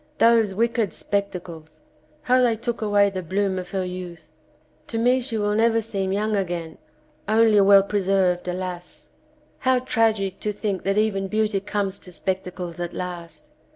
Those wicked spec tacles! How they took away the bloom of her youth. To me she will never seem young again, only well preserved, alas! How tragic to think that even beauty comes to spectacles at last!